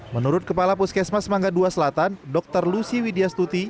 menurut kepala puskesmas mangga ii selatan dr lucy widya stuti